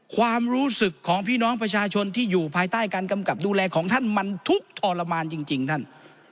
ความรู้สึกของพี่น้องประชาชนที่อยู่ภายใต้การกำกับดูแลของท่านมันทุกข์ทรมานจริงท่าน